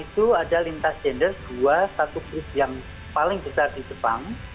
itu ada lintas gender dua satu grup yang paling besar di jepang